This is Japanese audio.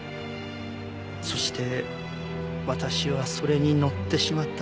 そして私はそれにのってしまった。